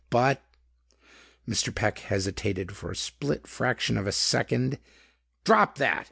But...." Mr. Peck hesitated for a split fraction of a second. "Drop that!"